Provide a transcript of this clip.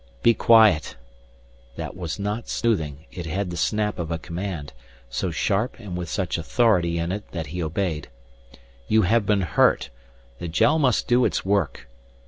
"Be quiet!" That was not soothing; it had the snap of a command, so sharp and with such authority in it that he obeyed. "You have been hurt; the gel must do its work.